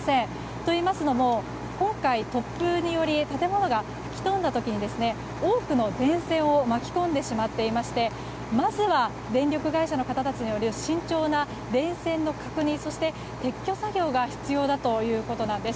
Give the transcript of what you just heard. といいますのも、今回突風により建物が吹き飛んだ時多くの電線を巻き込んでしまっていましてまずは電力会社の方たちによる慎重な電線の確認そして撤去作業が必要だということなんです。